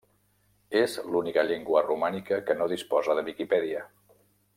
És l'única llengua romànica que no disposa de Viquipèdia.